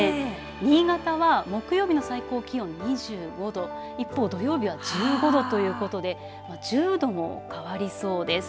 新潟は木曜日の最高気温２５度一方、土曜日は１５度ということで１０度も変わりそうです。